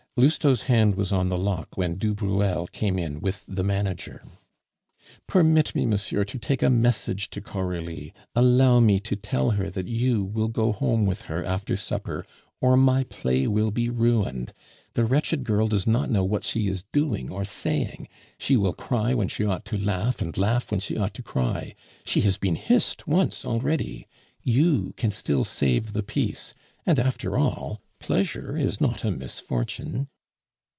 Lousteau's hand was on the lock when du Bruel came in with the manager. "Permit me, monsieur, to take a message to Coralie; allow me to tell her that you will go home with her after supper, or my play will be ruined. The wretched girl does not know what she is doing or saying; she will cry when she ought to laugh and laugh when she ought to cry. She has been hissed once already. You can still save the piece, and, after all, pleasure is not a misfortune."